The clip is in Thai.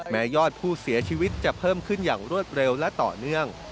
ยอดผู้เสียชีวิตจะเพิ่มขึ้นอย่างรวดเร็วและต่อเนื่อง